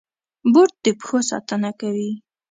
بوټ د پښو ساتنه کوي.